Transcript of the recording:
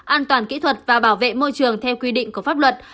an toàn kỹ thuật và bảo vệ môi trường theo quy định của pháp luật